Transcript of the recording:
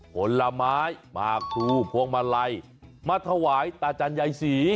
ผลไม้มากทูบพวงมาลัยมัดถวายตาจันทร์ใยศรี